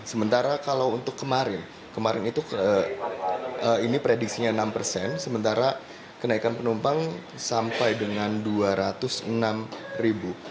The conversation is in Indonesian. sementara kalau untuk kemarin kemarin itu ini prediksinya enam persen sementara kenaikan penumpang sampai dengan dua ratus enam ribu